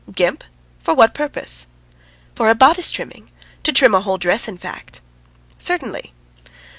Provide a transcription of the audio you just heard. "Gimp for what purpose?" "For a bodice trimming to trim a whole dress, in fact." "Certainly."